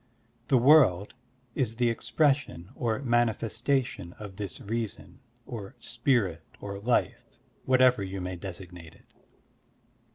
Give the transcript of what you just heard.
The world is the expression or manifestation of this reason or spirit or life, whatever you may designate it.